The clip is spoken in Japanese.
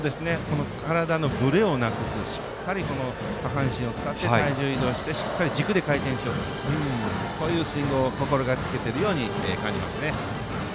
体のブレをなくすしっかり、下半身を使って体重移動してしっかり軸で回転しようとするスイングを心がけているように感じますね。